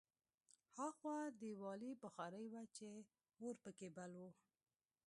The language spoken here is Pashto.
هاخوا دېوالي بخارۍ وه چې اور پکې بل و